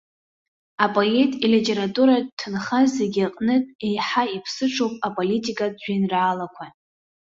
Апоет илитературатә ҭынха зегьы аҟнытә еиҳа иԥсыҽуп аполитикатә жәеинраалақәа.